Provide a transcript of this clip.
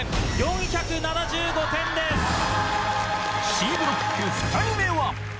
Ｃブロック２人目は？